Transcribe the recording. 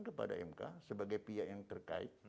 kepada mk sebagai pihak yang terkait